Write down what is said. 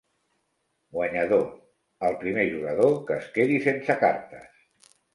Guanyador: el primer jugador que es quedi sense cartes.